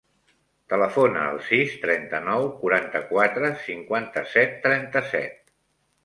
Telefona al sis, trenta-nou, quaranta-quatre, cinquanta-set, trenta-set.